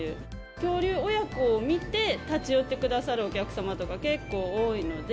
恐竜親子を見て立ち寄ってくださるお客様とか結構多いので。